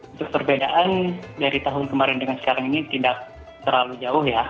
untuk perbedaan dari tahun kemarin dengan sekarang ini tidak terlalu jauh ya